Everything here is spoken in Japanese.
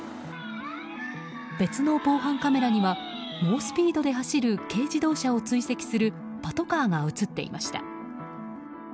別の防犯カメラには猛スピードで走る軽自動車を追跡するパトカーが映っていました。